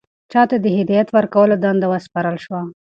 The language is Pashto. چا ته د هدایت ورکولو دنده وسپارل شوه؟